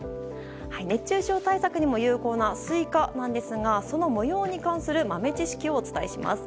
熱中症対策にも有効なスイカなんですがその模様に関する豆知識をお伝えします。